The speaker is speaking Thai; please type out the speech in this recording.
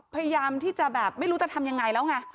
พยายามที่จะแบบไม่รู้จะทำยังไงแล้วไง